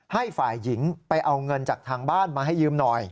ให้ฝ่ายหญิงไปเอาเงินจากทางบ้านมาให้ยืมหน่อย